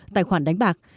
tài khoản đánh bạc